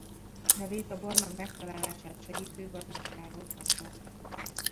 Nevét a barlang megtalálását segítő vadmacskáról kapta.